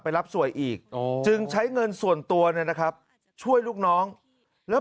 รับสวยอีกจึงใช้เงินส่วนตัวเนี่ยนะครับช่วยลูกน้องแล้ว